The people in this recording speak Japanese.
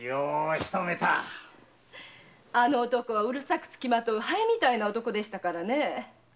あの男はうるさくつきまとう蝿みたいな男でしたからね。